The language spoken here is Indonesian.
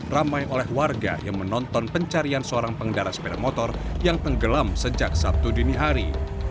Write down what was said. ramai oleh warga yang menonton pencarian seorang pengendara sepeda motor yang tenggelam sejak sabtu dini hari